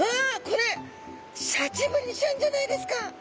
これシャチブリちゃんじゃないですか。